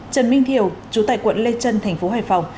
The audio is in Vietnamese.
trần minh thiều chú tại quận lê trân thành phố hải phòng